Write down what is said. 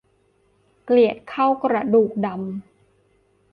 เกลียดเข้ากระดูกดำ